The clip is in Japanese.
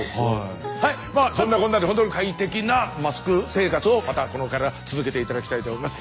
まあそんなこんなでほんとに快適なマスク生活をまたこれから続けて頂きたいと思います。